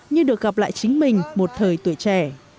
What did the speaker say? như được gặp lại chính mình một thời tuổi trẻ